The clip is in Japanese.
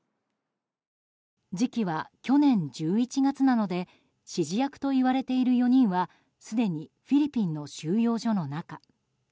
時期は去年１１月なので指示役といわれている４人はすでにフィリピンの収容所の中。